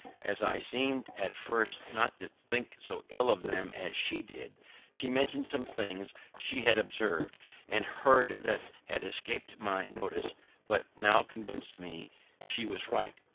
As I seem'd at first not to think so ill of them as she did, she mentioned some things she had observ'd and heard that had escap'd my notice, but now convinc'd me she was right.